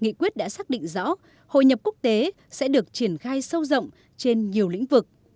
nghị quyết đã xác định rõ hội nhập quốc tế sẽ được triển khai sâu rộng trên nhiều lĩnh vực